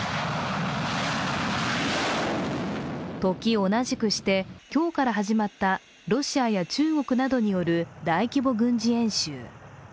時を同じくして、今日から始まったロシアや中国などによる大規模軍事演習。